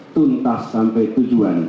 tuntas sampai tujuan